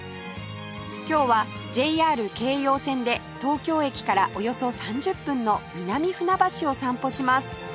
今日は ＪＲ 京葉線で東京駅からおよそ３０分の南船橋を散歩します